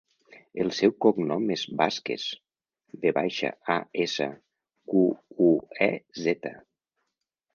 El seu cognom és Vasquez: ve baixa, a, essa, cu, u, e, zeta.